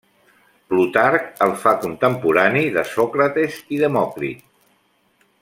Plutarc el fa contemporani de Sòcrates i Demòcrit.